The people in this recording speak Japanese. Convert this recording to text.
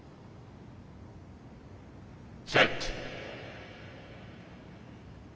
「セット」。